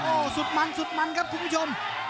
โอ้โหสุดมันสุดมันครับคุณผู้ชม